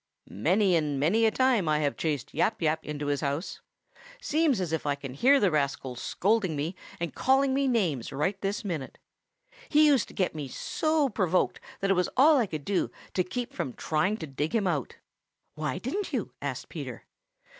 "Many and many a time I have chased Yap Yap into his house. Seems as if I can hear the rascal scolding me and calling me names right this minute. He used to get me so provoked that it was all I could do to keep from trying to dig him out." "Why didn't you?" asked Peter.